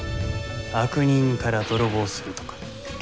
悪人から泥棒するとか。